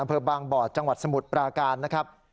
อเวอร์บางบอธยังวัดสมุทรประการนะครับ